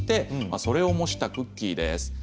それを模したクッキーです。